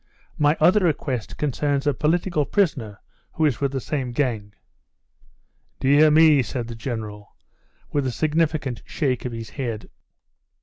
"My other request concerns a political prisoner who is with the same gang." "Dear me," said the General, with a significant shake of the head.